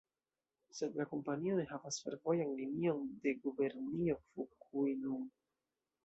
Sed la kompanio ne havas fervojan linion en Gubernio Fukui nun.